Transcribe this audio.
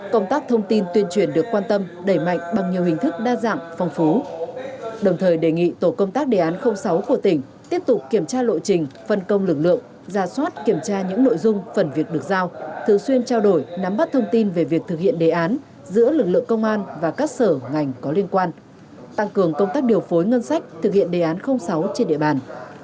công tác thông tin tuyên truyền được quan tâm đẩy mạnh bằng nhiều hình thức đa dạng phong phú đồng thời đề nghị tổ công tác đề án sáu của tỉnh tiếp tục kiểm tra lộ trình phân công lực lượng ra soát kiểm tra những nội dung phần việc được giao thử xuyên trao đổi nắm bắt thông tin về việc thực hiện đề án giữa lực lượng công an và các sở ngành có liên quan tăng cường công tác điều phối ngân sách thực hiện đề án sáu trên địa bàn